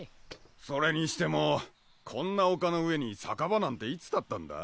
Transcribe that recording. それにしてもこんな丘の上に酒場なんていつ建ったんだ？